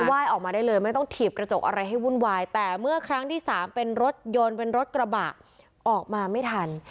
ไหว้ออกมาได้เลยไม่ต้องถีบกระจกอะไรให้วุ่นวายแต่เมื่อครั้งที่สามเป็นรถยนต์เป็นรถกระบะออกมาไม่ทัน